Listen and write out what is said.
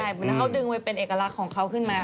เหมือนเขาดึงไปเป็นเอกลักษณ์ของเขาขึ้นมา